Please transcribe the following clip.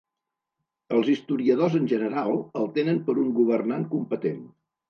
Els historiadors, en general, el tenen per un governant competent.